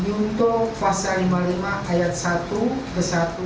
untuk pasal lima ayat satu ke satu